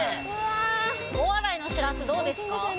大洗のシラス、どうですか？